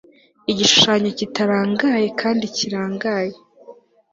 Igishushanyo kitarangaye kandi kirangaye